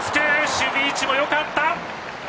守備位置もよかった。